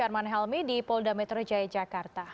arman helmi di polda metro jaya jakarta